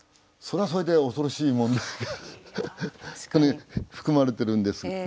それはそれで恐ろしい問題がここに含まれてるんです。